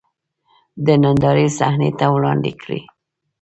د نندارې صحنې ته وړاندې کړي.